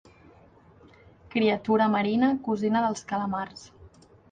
Criatura marina cosina dels calamars.